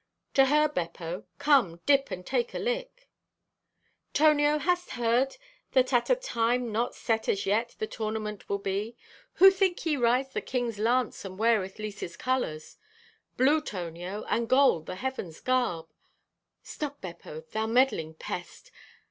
"To her, Beppo. Come, dip and take a lick. "Tonio, hast heard that at a time not set as yet the tournament will be? Who think ye rides the King's lance and weareth Lisa's colors? Blue, Tonio, and gold, the heavens' garb—stop, Beppo, thou meddling pest!